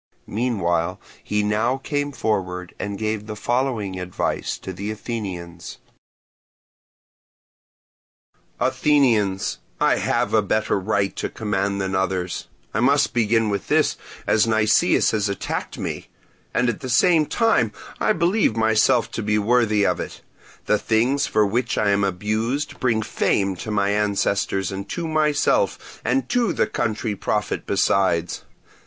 Meanwhile he now came forward and gave the following advice to the Athenians: "Athenians, I have a better right to command than others—I must begin with this as Nicias has attacked me—and at the same time I believe myself to be worthy of it. The things for which I am abused, bring fame to my ancestors and to myself, and to the country profit besides.